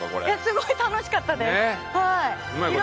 すごい楽しかったですはい。